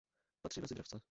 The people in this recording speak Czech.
Patří mezi dravce.